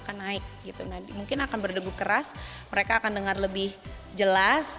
jantung akan naik mungkin akan berdegup keras mereka akan dengar lebih jelas